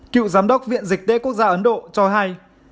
cựu giám đốc viện dịch tễ quốc gia ấn độ cho hay